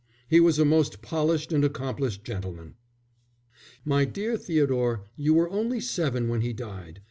He was a most polished and accomplished gentleman." "My dear Theodore, you were only seven when he died.